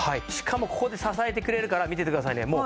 しかもここで支えてくれるから見ててくださいね。